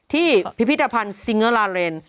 พิพิธภัณฑ์ซิงเกอร์ลาเรน